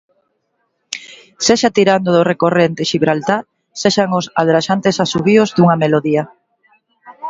Sexa tirando do recorrente Xibraltar, sexan os "aldraxantes asubíos" dunha melodía.